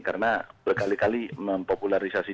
karena berkali kali mempopularisasi